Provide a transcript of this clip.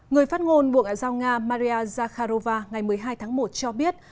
người phát ngôn bộ ngoại giao nga maria zakharova ngày một mươi hai tháng một cho biết